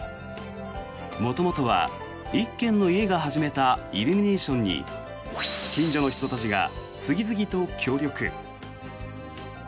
元々は１軒の家が始めたイルミネーションに近所の人たちが次々と協力。